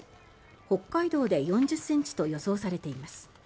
北海道で４０ｃｍと予想されています。